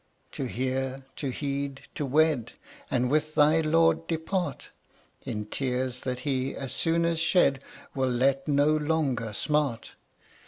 To hear, to heed, to wed, And with thy lord depart In tears that he, as soon as shed, Will let no longer smart.